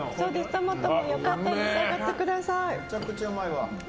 トマトもよかったら召し上がってください。